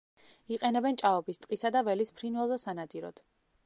იყენებენ ჭაობის, ტყისა და ველის ფრინველზე სანადიროდ.